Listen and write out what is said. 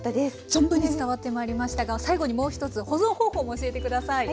存分に伝わってまいりましたが最後にもう一つ保存方法も教えて下さい。